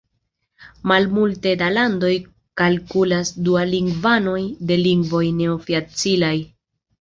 Malmulte da landoj kalkulas dualingvanojn de lingvoj neoficialaj.